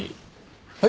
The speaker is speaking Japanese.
はい？